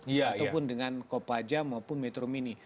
ataupun dengan kopaja maupun metro mini